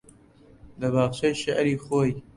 لە باخچەی شێعری خۆی